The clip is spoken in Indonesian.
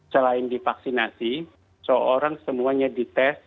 selain divaksinasi seorang semuanya dites